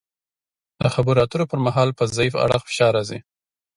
د خبرو اترو پر مهال په ضعیف اړخ فشار راځي